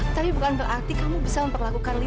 tapi bukan berarti kamu bisa memperlakukan